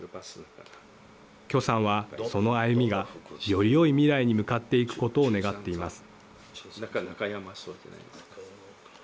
許さんはその歩みが、よりよい未来に向かっていくことを願っています。